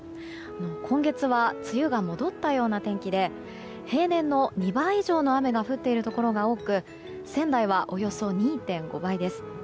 今月は梅雨が戻ったような天気で平年の２倍以上の雨が降っているところが多く仙台はおよそ２．５倍です。